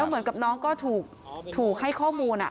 แล้วเหมือนกับน้องก็ถูกถูกให้ข้อมูลอ่ะ